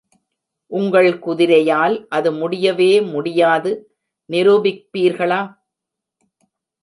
உங்கள் குதிரையால் அது முடியவே முடியாது நிரூபிப்பீர்களா?